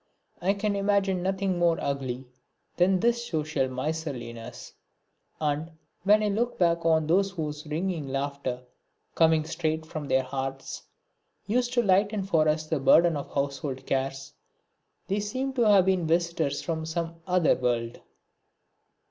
I can imagine nothing more ugly than this social miserliness; and, when I look back on those whose ringing laughter, coming straight from their hearts, used to lighten for us the burden of household cares, they seem to have been visitors from some other world.